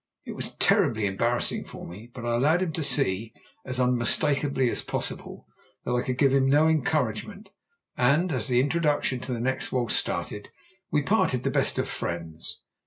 It was terribly embarrassing for me, but I allowed him to see, as unmistakably as possible, that I could give him no encouragement, and, as the introduction to the next waltz started, we parted the best of friends.